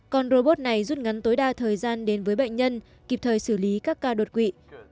còn robot này rút ngắn tối đa thời gian đến với bệnh nhân kịp thời xử lý các ca đột quỵ